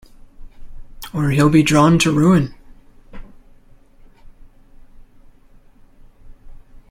Or he'll be drawn to ruin.